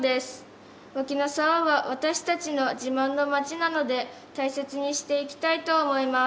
脇野沢は私たちの自慢の町なので大切にしていきたいと思います。